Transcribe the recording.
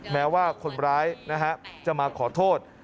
แม้ว่าคนร้ายจะมาขอโทษ